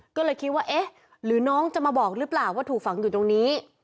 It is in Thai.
ก็เลยคิดว่าเอ๊ะหรือน้องจะมาบอกหรือเปล่าว่าถูกฝังอยู่ตรงนี้